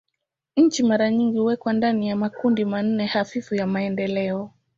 Nchi mara nyingi huwekwa ndani ya makundi manne hafifu ya maendeleo.